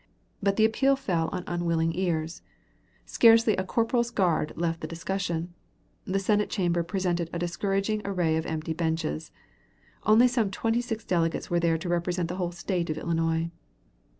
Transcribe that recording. But the appeal fell upon unwilling ears. Scarcely a corporal's guard left the discussion. The Senate Chamber presented a discouraging array of empty benches. Only some twenty six delegates were there to represent the whole State of Illinois.